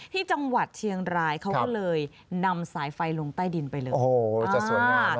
ที่จังหวัดเชียงรายเขาเลยนำสายไฟลงใต้ดินไปเลย